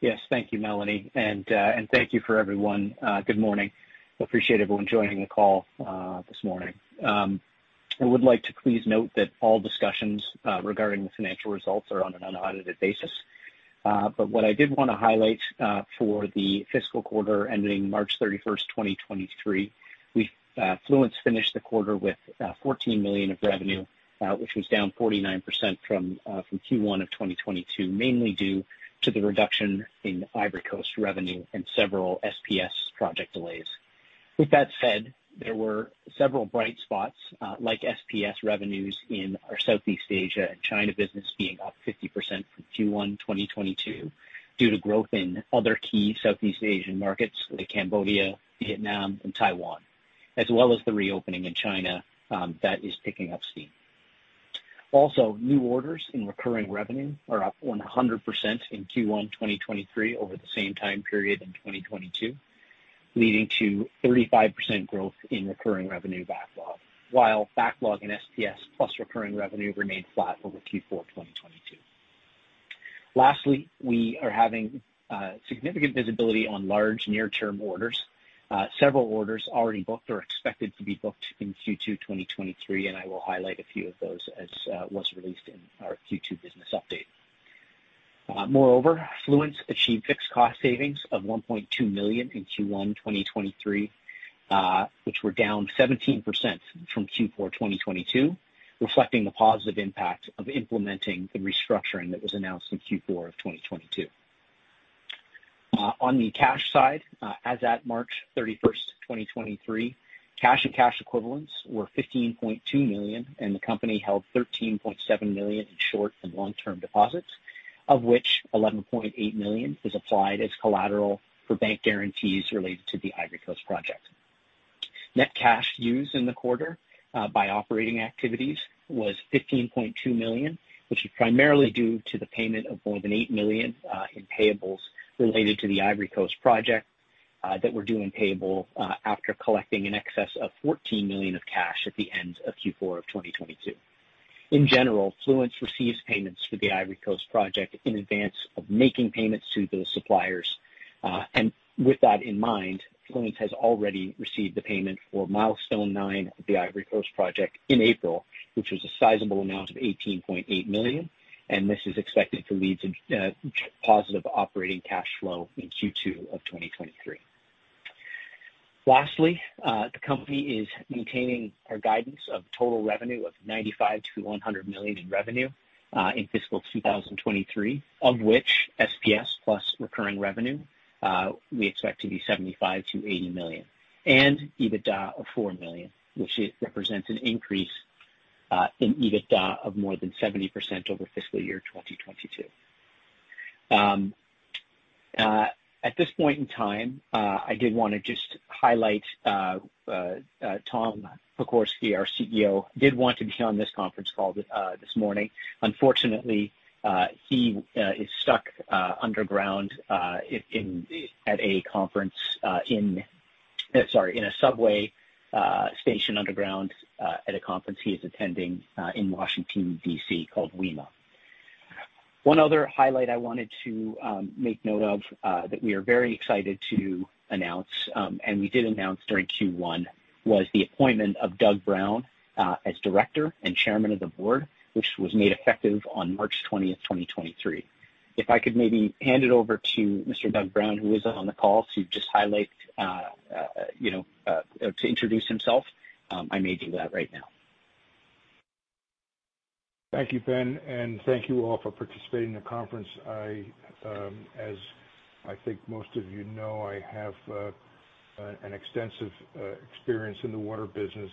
Yes. Thank you, Melanie. Thank you for everyone. Good morning. Appreciate everyone joining the call this morning. I would like to please note that all discussions regarding the financial results are on an unaudited basis. What I did wanna highlight for the fiscal quarter ending March 31st, 2023, Fluence finished the quarter with $14 million of revenue, which was down 49% from Q1 of 2022, mainly due to the reduction in Ivory Coast revenue and several SPS project delays. With that said, there were several bright spots, like SPS revenues in our Southeast Asia and China business being up 50% from Q1 2022 due to growth in other key Southeast Asian markets like Cambodia, Vietnam, and Taiwan, as well as the reopening in China, that is picking up steam. New orders in recurring revenue are up 100% in Q1 2023 over the same time period in 2022, leading to 35% growth in recurring revenue backlog, while backlog in SPS plus recurring revenue remained flat over Q4 2022. We are having significant visibility on large near-term orders. Several orders already booked or expected to be booked in Q2 2023, I will highlight a few of those as was released in our Q2 business update. Moreover, Fluence achieved fixed cost savings of $1.2 million in Q1 2023, which were down 17% from Q4 2022, reflecting the positive impact of implementing the restructuring that was announced in Q4 2022. On the cash side, as at March 31, 2023, cash and cash equivalents were $15.2 million, and the company held $13.7 million in short and long-term deposits, of which $11.8 million is applied as collateral for bank guarantees related to the Ivory Coast project. Net cash used in the quarter by operating activities was $15.2 million, which is primarily due to the payment of more than $8 million in payables related to the Ivory Coast project that were due in payable after collecting in excess of $14 million of cash at the end of Q4 of 2022. In general, Fluence receives payments for the Ivory Coast project in advance of making payments to those suppliers. And with that in mind, Fluence has already received the payment for Milestone Nine of the Ivory Coast project in April, which was a sizable amount of $18.8 million, and this is expected to lead to positive operating cash flow in Q2 of 2023. Lastly, the company is maintaining our guidance of total revenue of $95 -$100 million in revenue in fiscal 2023, of which SPS plus recurring revenue we expect to be $75 -$80 million, and EBITDA of $4 million, which represents an increase in EBITDA of more than 70% over fiscal year 2022. At this point in time, I did want to just highlight Tom Pokorsky, our CEO, did want to be on this conference call this morning. Unfortunately, he is stuck underground at a conference in a subway station underground at a conference he is attending in Washington, D.C., called WWEMA. One other highlight I wanted to make note of, that we are very excited to announce, and we did announce during Q1, was the appointment of Doug Brown as Director and Chairman of the Board, which was made effective on March 20th, 2023. If I could maybe hand it over to Mr. Doug Brown, who is on the call, to just highlight, you know, to introduce himself, I may do that right now. Thank you, Ben, and thank you all for participating in the conference. I, as I think most of you know, I have an extensive experience in the water business,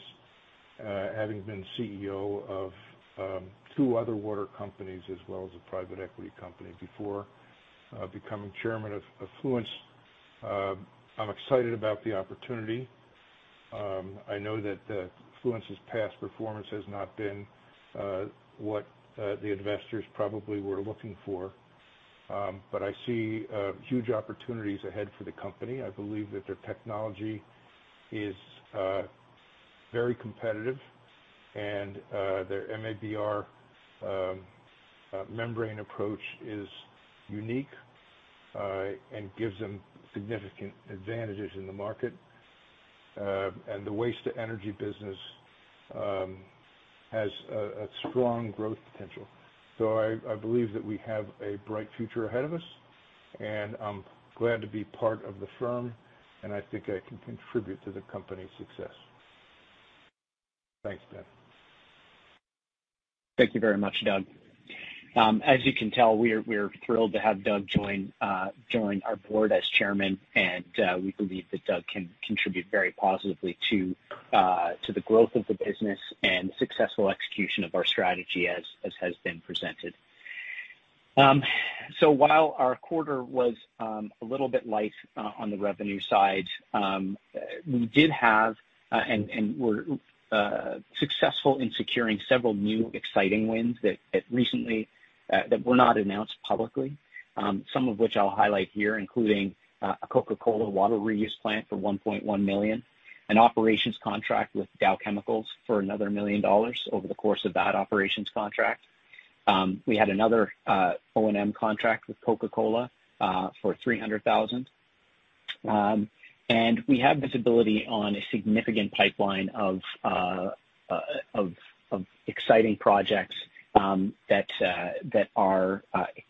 having been CEO of two other water companies as well as a private equity company before becoming chairman of Fluence. I'm excited about the opportunity. I know that Fluence's past performance has not been what the investors probably were looking for, but I see huge opportunities ahead for the company. I believe that their technology is very competitive and their MABR membrane approach is unique and gives them significant advantages in the market. The waste-to-energy business has a strong growth potential. I believe that we have a bright future ahead of us, and I'm glad to be part of the firm, and I think I can contribute to the company's success. Thanks, Ben. Thank you very much, Doug. As you can tell, we're thrilled to have Doug join our board as chairman, we believe that Doug can contribute very positively to the growth of the business and the successful execution of our strategy as has been presented. While our quarter was a little bit light on the revenue side, we did have and we're successful in securing several new exciting wins that recently were not announced publicly, some of which I'll highlight here, including a Coca-Cola water reuse plant for $1.1 million, an operations contract with Dow Chemical for another $1 million over the course of that operations contract. We had another O&M contract with Coca-Cola for $300,000. We have visibility on a significant pipeline of exciting projects that are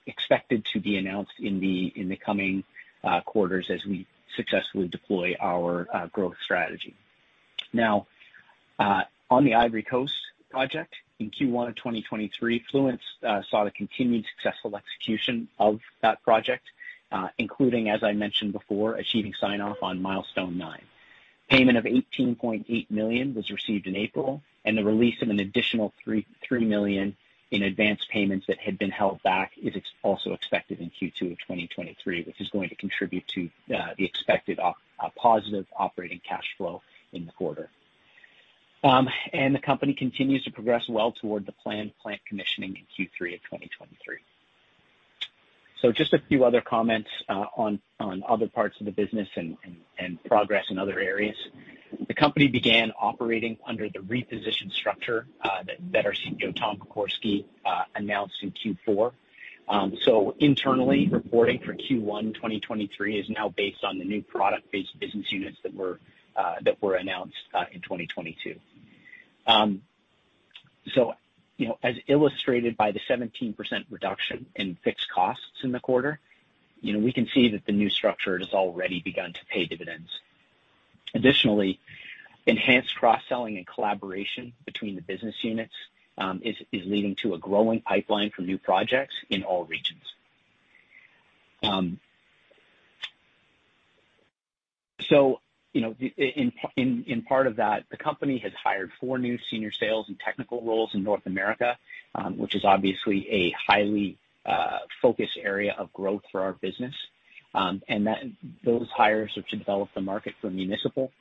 expected to be announced in the coming quarters as we successfully deploy our growth strategy. Now, on the Ivory Coast project, in Q1 of 2023, Fluence saw the continued successful execution of that project, including, as I mentioned before, achieving sign-off on milestone nine. Payment of $18.8 million was received in April. The release of an additional $3 million in advanced payments that had been held back is also expected in Q2 of 2023, which is going to contribute to the expected positive operating cash flow in the quarter. The company continues to progress well toward the planned plant commissioning in Q3 of 2023. Just a few other comments on other parts of the business and progress in other areas. The company began operating under the reposition structure that our CEO, Tom Pokorsky, announced in Q4. Internally, reporting for Q1 2023 is now based on the new product-based business units that were announced in 2022. You know, as illustrated by the 17% reduction in fixed costs in the quarter, you know, we can see that the new structure has already begun to pay dividends. Additionally, enhanced cross-selling and collaboration between the business units is leading to a growing pipeline for new projects in all regions. You know, in part of that, the company has hired four new senior sales and technical roles in North America, which is obviously a highly focused area of growth for our business. Those hires are to develop the market for municipal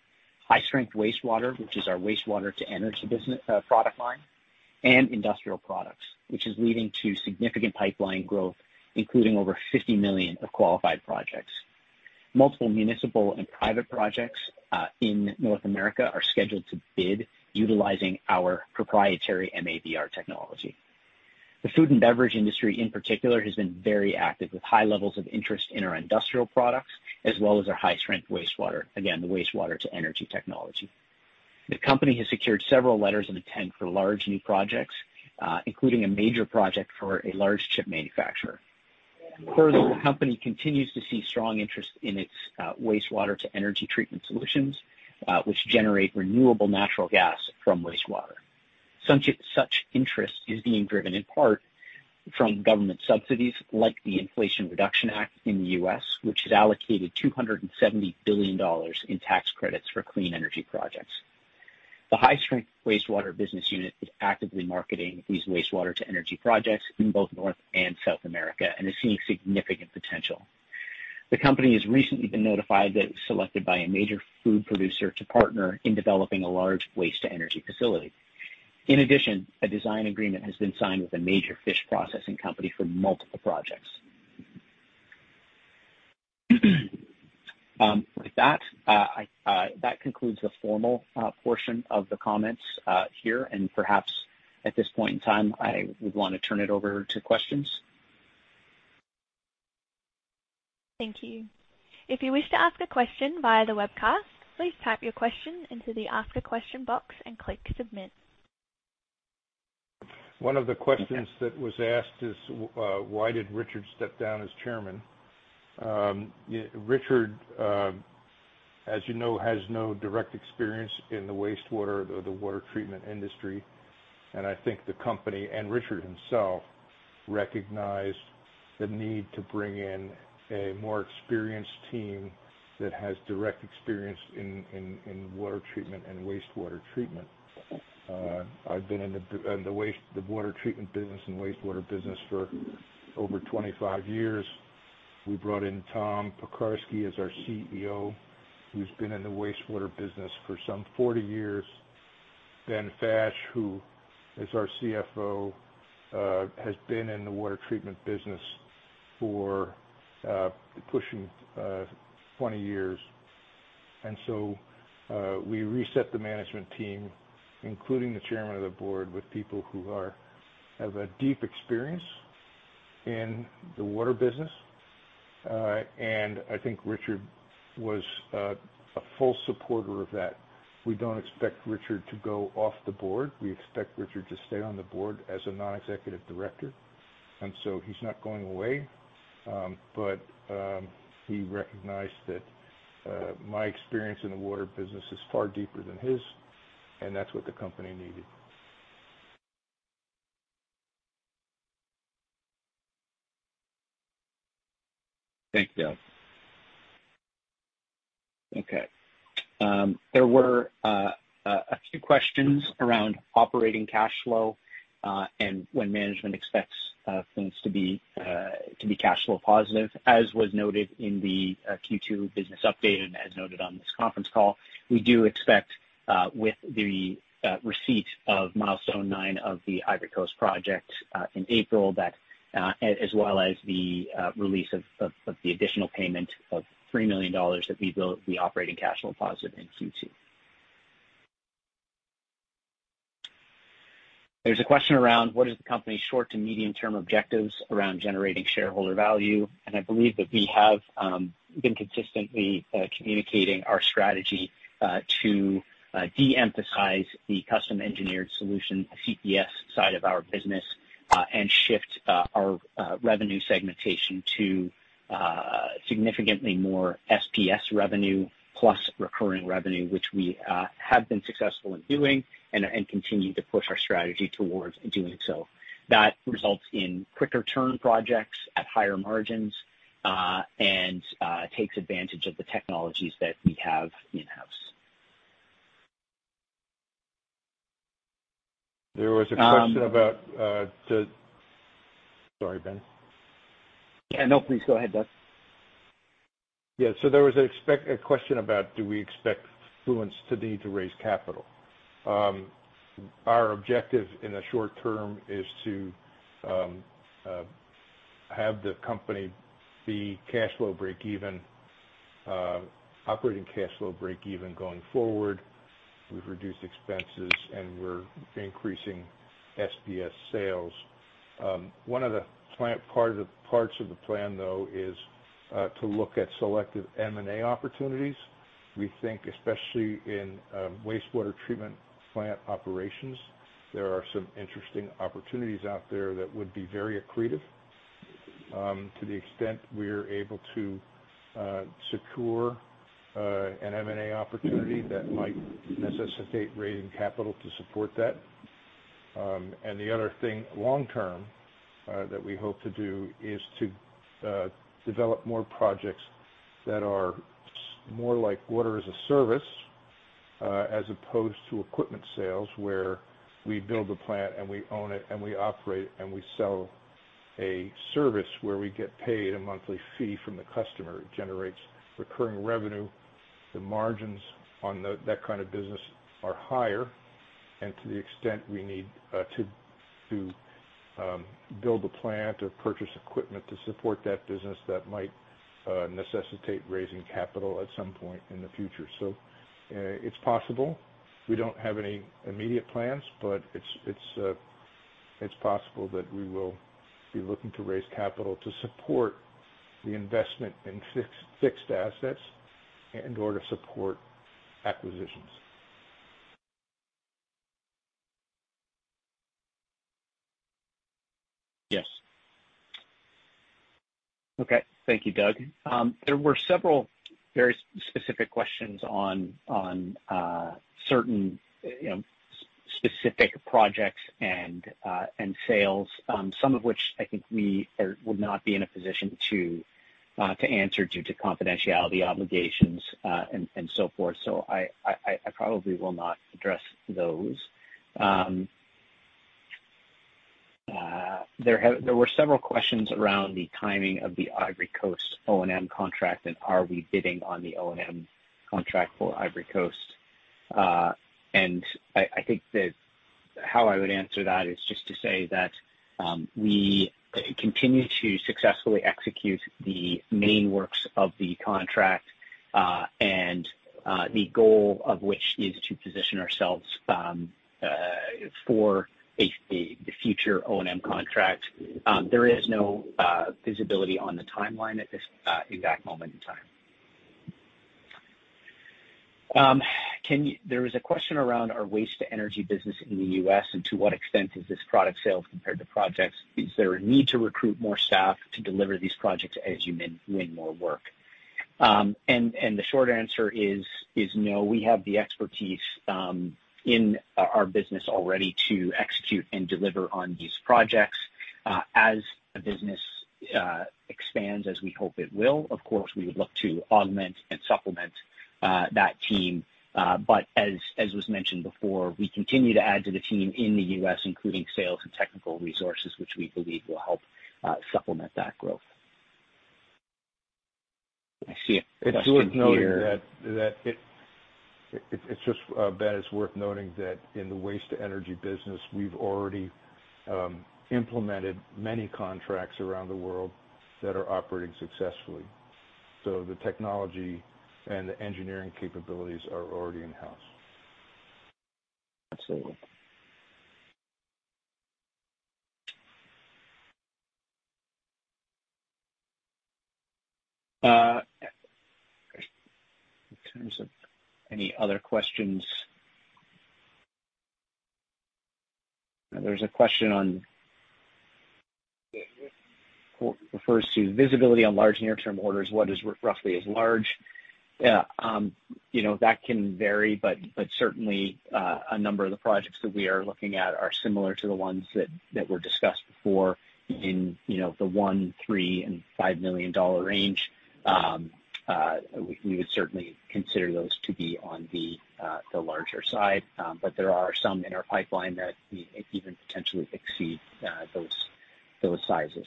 high-strength wastewater, which is our wastewater to energy product line, and industrial products, which is leading to significant pipeline growth, including over $50 million of qualified projects. Multiple municipal and private projects in North America are scheduled to bid utilizing our proprietary MABR technology. The food and beverage industry in particular has been very active with high levels of interest in our industrial products as well as our high-strength wastewater, again, the wastewater-to-energy technology. The company has secured several letters of intent for large new projects, including a major project for a large chip manufacturer. Further, the company continues to see strong interest in its wastewater-to-energy treatment solutions, which generate renewable natural gas from wastewater. Such interest is being driven in part from government subsidies like the Inflation Reduction Act in the U.S., which has allocated $270 billion in tax credits for clean energy projects. The high-strength wastewater business unit is actively marketing these wastewater to energy projects in both North and South America and is seeing significant potential. The company has recently been notified that it was selected by a major food producer to partner in developing a large waste-to-energy facility. In addition, a design agreement has been signed with a major fish processing company for multiple projects. With that concludes the formal portion of the comments here and perhaps at this point in time, I would want to turn it over to questions. Thank you. If you wish to ask a question via the webcast, please type your question into the Ask a Question box and click Submit. One of the questions that was asked is, why did Richard step down as chairman? Richard, as you know, has no direct experience in the wastewater or the water treatment industry. I think the company and Richard himself recognized the need to bring in a more experienced team that has direct experience in water treatment and wastewater treatment. I've been in the water treatment business and wastewater business for over 25 years. We brought in Tom Pokorsky as our CEO, who's been in the wastewater business for some 40 years. Ben Fash, who is our CFO, has been in the water treatment business for pushing 20 years. We reset the management team, including the chairman of the board, with people who have a deep experience in the water business. I think Richard was a full supporter of that. We don't expect Richard to go off the board. We expect Richard to stay on the board as a non-executive director, and so he's not going away. He recognized that my experience in the water business is far deeper than his, and that's what the company needed. Thanks, Doug. Okay. There were a few questions around operating cash flow, and when management expects things to be cash flow positive. As was noted in the Q2 business update and as noted on this conference call, we do expect with the receipt of milestone nine of the Ivory Coast project in April that as well as the release of the additional payment of $3 million, that we will be operating cash flow positive in Q2. There's a question around what is the company's short to medium-term objectives around generating shareholder value. I believe that we have been consistently communicating our strategy to de-emphasize the custom engineered solution, the CES side of our business, and shift our revenue segmentation to significantly more SPS revenue plus recurring revenue, which we have been successful in doing and continue to push our strategy towards doing so. That results in quicker turn projects at higher margins, and takes advantage of the technologies that we have in-house. There was a question about, the... Sorry, Ben. Yeah, no, please go ahead, Doug. There was a question about, do we expect Fluence to need to raise capital? Our objective in the short term is to have the company be cash flow break even, operating cash flow break even going forward. We've reduced expenses and we're increasing SPS sales. One of the parts of the plan, though, is to look at selective M&A opportunities. We think especially in wastewater treatment plant operations, there are some interesting opportunities out there that would be very accretive to the extent we're able to secure an M&A opportunity that might necessitate raising capital to support that. The other thing long term, that we hope to do is to develop more projects that are more like water as a service, as opposed to equipment sales, where we build the plant and we own it and we operate and we sell a service where we get paid a monthly fee from the customer. It generates recurring revenue. The margins on that kind of business are higher. To the extent we need to build the plant or purchase equipment to support that business, that might necessitate raising capital at some point in the future. It's possible. We don't have any immediate plans, but it's possible that we will be looking to raise capital to support the investment in fixed assets and-or to support acquisitions. Yes. Okay. Thank you, Doug. There were several very specific questions on certain, you know, specific projects and sales, some of which I think we would not be in a position to answer due to confidentiality obligations and so forth. I probably will not address those. There were several questions around the timing of the Ivory Coast O&M contract and are we bidding on the O&M contract for Ivory Coast. And I think that how I would answer that is just to say that we continue to successfully execute the main works of the contract, and the goal of which is to position ourselves for the future O&M contract. There is no visibility on the timeline at this exact moment in time. There was a question around our waste-to-energy business in the U.S. and to what extent is this product sales compared to projects? Is there a need to recruit more staff to deliver these projects as you win more work? The short answer is no. We have the expertise in our business already to execute and deliver on these projects. As the business expands as we hope it will, of course, we would look to augment and supplement that team. As was mentioned before, we continue to add to the team in the U.S., including sales and technical resources, which we believe will help supplement that growth. I see a question here. It's just, Ben, it's worth noting that in the waste-to-energy business, we've already implemented many contracts around the world that are operating successfully. The technology and the engineering capabilities are already in-house. Absolutely. In terms of any other questions. There's a question on refers to visibility on large near-term orders. What is roughly large? You know, that can vary, but certainly, a number of the projects that we are looking at are similar to the ones that were discussed before in, you know, the $1 million, $3 million, and $5 million range. We would certainly consider those to be on the larger side. There are some in our pipeline that may even potentially exceed those sizes.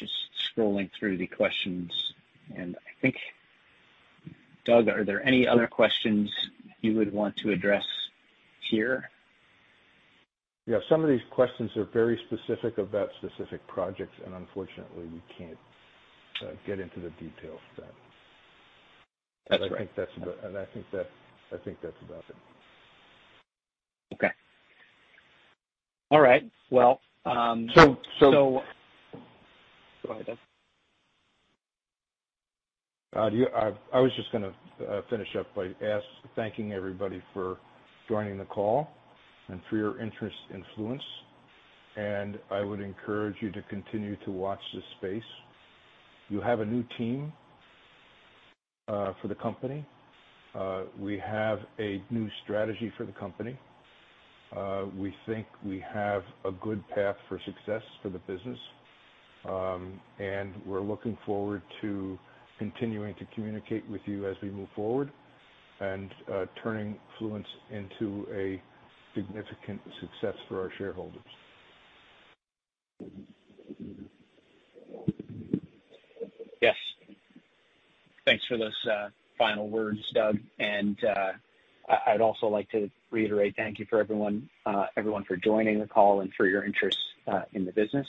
Just scrolling through the questions, I think. Doug, are there any other questions you would want to address here? Yeah, some of these questions are very specific about specific projects, and unfortunately, we can't get into the details of that. That's right. I think that's about it. Okay. All right. Well. So, so- Go ahead, Doug. Yeah, I was just gonna finish up by thanking everybody for joining the call and for your interest in Fluence. I would encourage you to continue to watch this space. You have a new team for the company. We have a new strategy for the company. We think we have a good path for success for the business. We're looking forward to continuing to communicate with you as we move forward and turning Fluence into a significant success for our shareholders. Yes. Thanks for those final words, Doug. I'd also like to reiterate thank you for everyone for joining the call and for your interest in the business.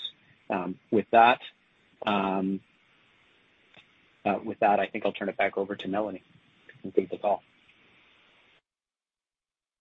With that, I think I'll turn it back over to Melanie to complete the call.